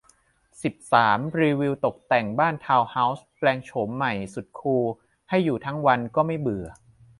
สิบสาม รีวิวตกแต่งบ้านทาวน์เฮ้าส์ แปลงโฉมใหม่สุดคูล ให้อยู่ทั้งวันก็ไม่เบื่อ